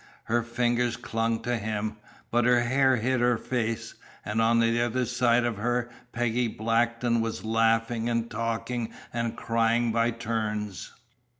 Her fingers clung to him. But her hair hid her face, and on the other side of her Peggy Blackton was laughing and talking and crying by turns.